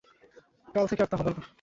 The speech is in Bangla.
কাল থেকে আর তা হবে না।